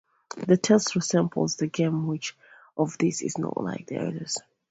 The test resembles the game 'Which of These Is Not Like the Others'.